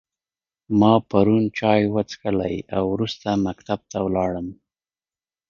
ما پرون چای وچیښلی او وروسته مکتب ته ولاړم